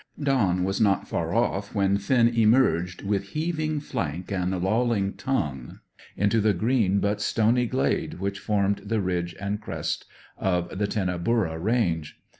Dawn was not far off when Finn emerged, with heaving flank and lolling tongue, into the green but stony glade which formed the ridge and crest of the Tinnaburra range.